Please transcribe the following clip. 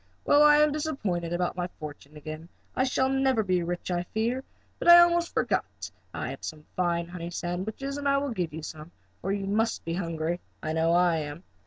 "Well, I am disappointed about my fortune again. I shall never be rich I fear. But I almost forgot that I have some fine honey sandwiches and I will give you some, for you must be hungry. I know I am."